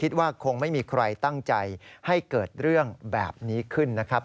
คิดว่าคงไม่มีใครตั้งใจให้เกิดเรื่องแบบนี้ขึ้นนะครับ